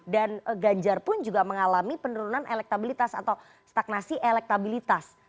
dan ganjar pun juga mengalami penurunan elektabilitas atau stagnasi elektabilitas